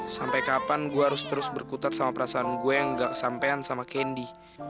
sampai kapan gue harus terus berkutat sama perasaan gue yang gak kesampean sama kendi